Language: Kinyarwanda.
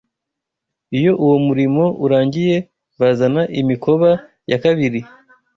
Iyo uwo murimo urangiye bazana imikoba ya kabiri